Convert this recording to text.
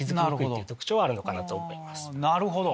なるほど！